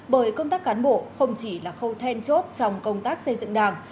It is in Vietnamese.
bởi công tác cán bộ không chỉ là khâu then chốt trong công tác xây dựng đảng